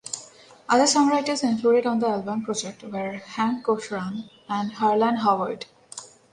Other songwriters included on the album project were Hank Cochran and Harlan Howard.